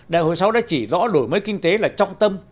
đại hội sáu đã chỉ rõ đổi mới kinh tế là trọng tâm